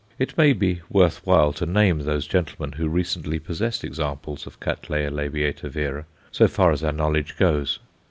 It may be worth while to name those gentlemen who recently possessed examples of C. l. vera, so far as our knowledge goes.